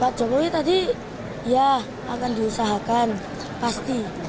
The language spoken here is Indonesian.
pak jokowi tadi ya akan diusahakan pasti